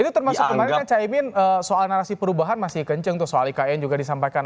itu termasuk kemarin kan caimin soal narasi perubahan masih kenceng tuh soal ikn juga disampaikan